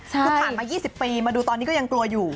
คือผ่านมา๒๐ปีมาดูตอนนี้ก็ยังกลัวอยู่